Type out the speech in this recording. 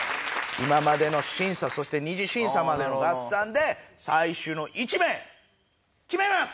今までの審査そして２次審査までの合算で最終の１名決めます！